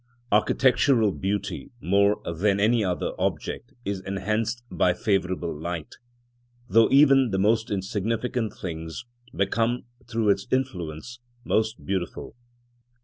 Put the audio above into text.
Architectural beauty more than any other object is enhanced by favourable light, though even the most insignificant things become through its influence most beautiful.